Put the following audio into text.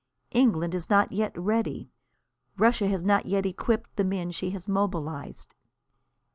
England is not yet ready. Russia has not yet equipped the men she has mobilised.